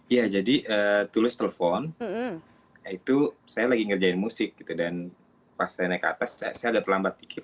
ya jadi tulus telepon itu saya lagi ngerjain musik dan pas saya naik ke atas saya agak lambat sedikit